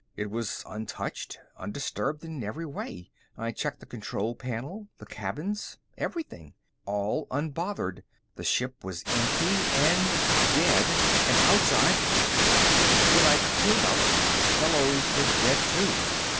It was untouched, undisturbed in every way. I checked the control panel, the cabins, everything. All unbothered. The ship was empty and dead. And outside "When I came out, Bellows was dead too."